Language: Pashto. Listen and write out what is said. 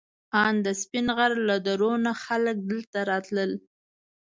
ان د سپین غر له درو نه خلک دلته راتلل.